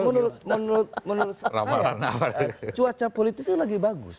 menurut saya cuaca politik itu lagi bagus